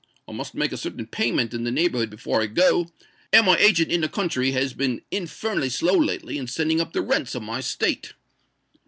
I must make a certain payment in the neighbourhood before I go; and my agent in the country has been infernally slow lately in sending up the rents of my estate."